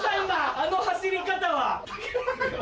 あの走り方は。